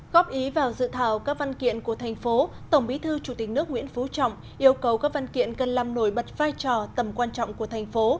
góp ý vào dự thảo các văn kiện của thành phố tổng bí thư chủ tịch nước nguyễn phú trọng yêu cầu các văn kiện cần làm nổi bật vai trò tầm quan trọng của thành phố